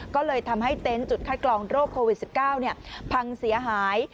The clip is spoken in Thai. ก็เลยทำให้เต็นต์จุดคัดกรองโรคโควิด๑๙พังเสียหาย